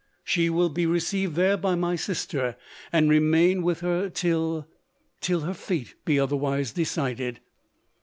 She will be received there by my sister, and remain with her till — till her fate be otherwise decided.